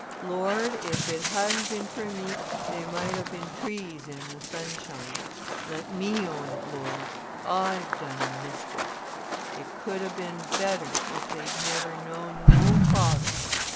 Lord, if it hadn't been for me, they might ha' been trees in the sunshine. Let me own it, Lord, I've done 'em mischief. It could ha' been better if they'd never known no father.